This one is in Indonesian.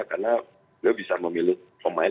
karena beliau bisa memilih pemain